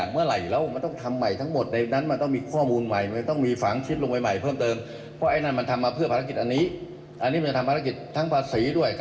ไม่ต้องทำอ่ะฉันให้เธอคนเดียว